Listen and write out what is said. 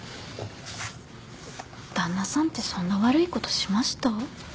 旦那さんってそんな悪いことしました？